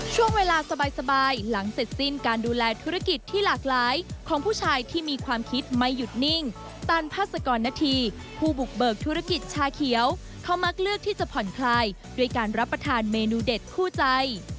ช่วงเวลาสบายหลังเสร็จสิ้นการดูแลธุรกิจที่หลากหลายของผู้ชายที่มีความคิดไม่หยุดนิ่งตันพาสกรณฑีผู้บุกเบิกธุรกิจชาเขียวเขามักเลือกที่จะผ่อนคลายด้วยการรับประทานเมนูเด็ดคู่ใจ